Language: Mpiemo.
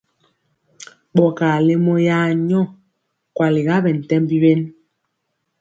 Ɓɔgaa lemɔ ya nyɔ, kwaliga ɓɛntɛmbi wen.